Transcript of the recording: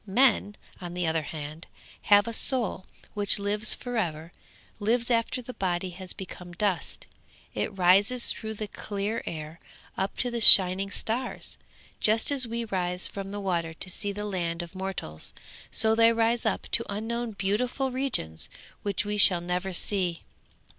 Men, on the other hand, have a soul which lives for ever, lives after the body has become dust; it rises through the clear air, up to the shining stars! Just as we rise from the water to see the land of mortals, so they rise up to unknown beautiful regions which we shall never see.'